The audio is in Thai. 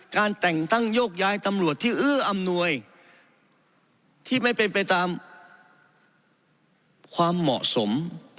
การแต่งตั้งโยกย้ายตำลวดที่อื้ออำหนวยที่ไม่เป็นไปตาม